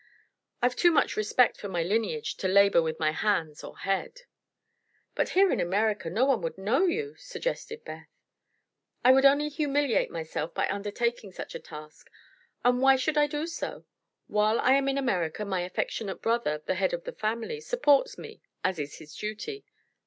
I've too much respect for my lineage to labor with my hands or head." "But here in America no one would know you," suggested Beth. "I would only humiliate myself by undertaking such a task. And why should I do so? While I am in America my affectionate brother, the head of the family, supports me, as is his duty.